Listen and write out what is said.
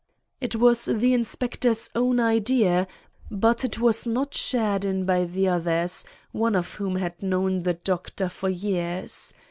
It was the Inspector's own idea, but it was not shared in by the others, one of whom had known the Doctor for years.